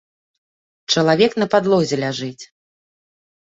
Чалавек на падлозе ляжыць.